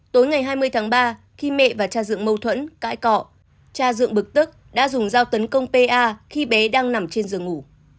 tối ngày hai mươi tháng ba khi mẹ và cha dựng mâu thuẫn cãi cọ cha dựng bực tức đã dùng dao tấn công pa khi bé đang nằm trên giường ngủ